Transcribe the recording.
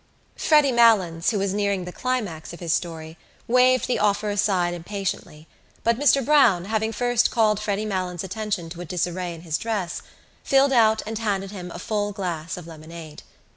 Freddy Malins, who was nearing the climax of his story, waved the offer aside impatiently but Mr Browne, having first called Freddy Malins' attention to a disarray in his dress, filled out and handed him a full glass of lemonade.